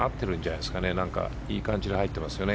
いい感じに入ってますよね。